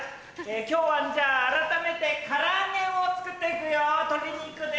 今日はじゃあ改めて唐揚げを作って行くよ鶏肉で。